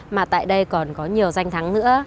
mà tại đây còn có nhiều danh thắng nữa